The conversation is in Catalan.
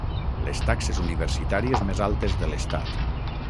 Les taxes universitàries més altes de l’estat.